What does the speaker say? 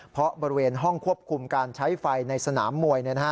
เพราะบริเวณห้องควบคุมการใช้ไฟในสนามมวย